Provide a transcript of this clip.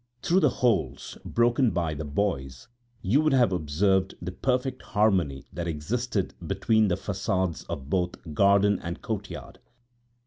Through the holes broken by the boys you would have observed the perfect harmony that existed between the façades of both garden and courtyard.